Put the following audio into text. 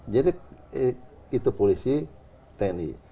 jadi itu polisi tni